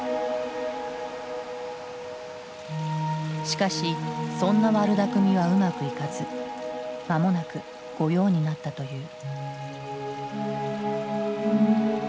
しかしそんな悪だくみはうまくいかず間もなく御用になったという。